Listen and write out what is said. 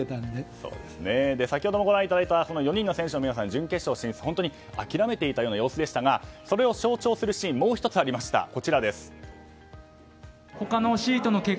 先ほどご覧いただいた４人の選手の皆さん準決勝進出、本当に諦めていたような様子でしたがそれを象徴するシーンがもう１つありました。